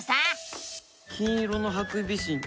金色のハクビシン